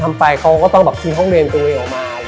ทำไปเขาก็ต้องซีดห้องเรนตัวเองออกมา